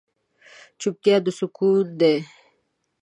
چوپتیا، د روح سکون دی.